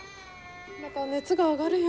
また熱が上がるよ。